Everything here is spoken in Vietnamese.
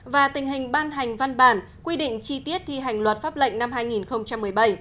và tình hình ban hành văn bản quy định chi tiết thi hành luật pháp lệnh năm hai nghìn một mươi bảy